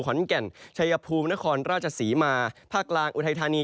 ขอนแก่นชัยภูมินครราชศรีมาภาคกลางอุทัยธานี